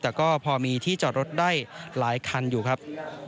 แต่ก็พอมีที่จอดรถได้หลายคันอยู่ครับ